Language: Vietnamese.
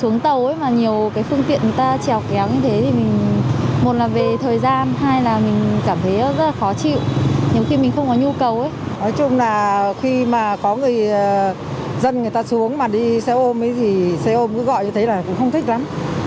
nhưng mà khi mà có người dân người ta xuống mà đi xe ôm ấy thì xe ôm cứ gọi như thế là cũng không thích lắm